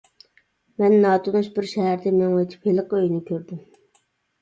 مەن ناتونۇش بىر شەھەردە مېڭىۋېتىپ، ھېلىقى ئۆينى كۆردۈم.